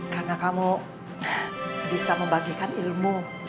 karena kamu bisa membagikan ilmu